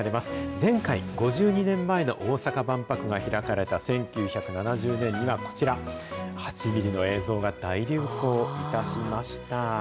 前回、５２年前の大阪万博が開かれた１９７０年には、こちら、８ミリの映像が大流行いたしました。